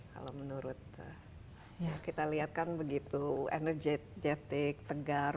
kalau menurut kita lihat kan begitu energetik tegar